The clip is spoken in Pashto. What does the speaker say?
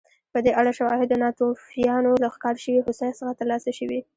په دې اړه شواهد د ناتوفیانو له ښکار شوې هوسۍ څخه ترلاسه شوي